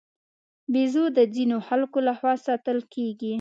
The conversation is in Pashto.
بیزو د ځینو خلکو له خوا ساتل کېږي.